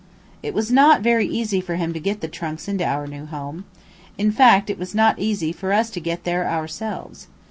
It was not very easy for him to get the trunks into our new home. In fact it was not easy for us to get there ourselves.